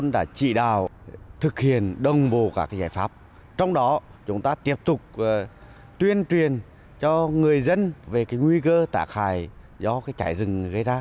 đặc biệt là phương án bốn tại chỗ